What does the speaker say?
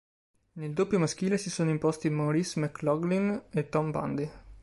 Nel doppio maschile si sono imposti Maurice McLoughlin e Tom Bundy.